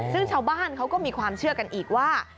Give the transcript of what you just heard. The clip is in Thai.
ซึ่งชาวบ้านเขาก็มีความเชื่อกันอีกว่า